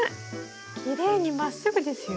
きれいにまっすぐですよ。